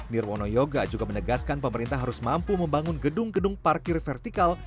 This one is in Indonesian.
nirwono yoga juga menegaskan pemerintah harus mampu membangun gedung gedung parkir vertikal